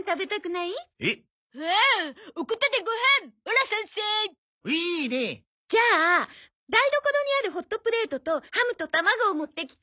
いいねえ！じゃあ台所にあるホットプレートとハムと卵を持ってきて。